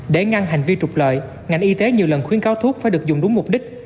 để ngăn hành vi trục lợi ngành y tế nhiều lần khuyến cáo thuốc phải được dùng đúng mục đích